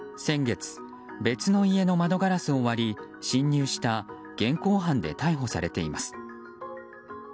先月、別の家の窓ガラスを割り侵入した現行犯で逮捕されています。